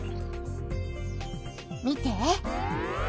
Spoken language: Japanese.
見て。